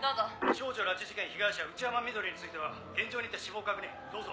少女拉致事件被害者内山碧については現場にて死亡を確認どうぞ。